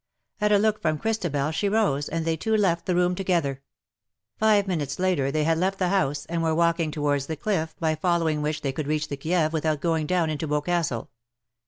At a look from Christabel she rose, and they two left the room together. Five minutes later they had left the house, and were walking towards the cliff, by following which they could reach the Kieve without going down into Boscastle.